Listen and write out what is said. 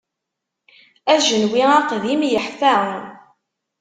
Ajenwi aqdim yeḥfa.